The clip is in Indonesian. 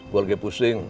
gua lagi pusing